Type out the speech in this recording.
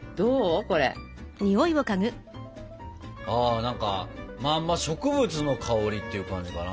あ何かまあ植物の香りっていう感じかな？